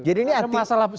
jadi ini ada masalah serius